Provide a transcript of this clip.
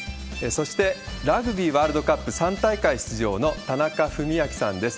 そして、ラグビーワールドカップ３大会出場の田中史朗さんです。